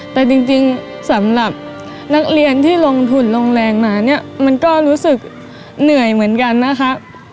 แต่จริงสำหรับนักเรียนที่ลงทุนลงแรงมาเนี่ยมันก็รู้สึกเหนื่อยเหมือนกันนะคะ